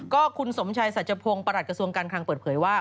ก็คุณสมชัยสัจพงศ์ประหลัดกระทรวงการคลังเปิดเผยว่า